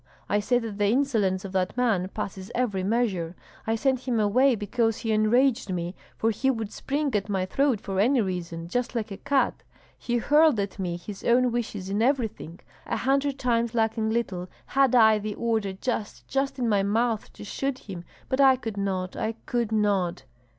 I say that the insolence of that man passes every measure. I sent him away because he enraged me, for he would spring at my throat for any reason, just like a cat; he hurled at me his own wishes in everything. A hundred times lacking little had I the order just just in my mouth to shoot him; but I could not, I could not."